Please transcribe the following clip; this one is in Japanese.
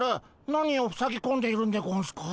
何をふさぎこんでいるんでゴンスか？